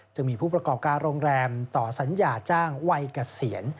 จะมีผู้ประกอบการโรงแรมต่อสัญญาจ้างวัยเกษียณ